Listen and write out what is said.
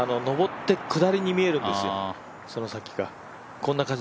上って下りに見えるんですよ、その先が。